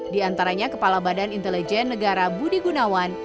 di antaranya kepala badan intelijen negara budi gunawan